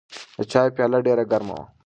د چای پیاله ډېره ګرمه وه.